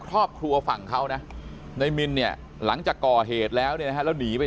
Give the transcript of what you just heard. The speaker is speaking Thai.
ครอบครัวฝั่งเขานะในมินเนี่ยหลังจากก่อเหตุแล้วเนี่ยนะฮะแล้วหนีไป